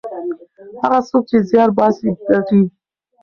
هغه څوک چې زیار باسي ګټي.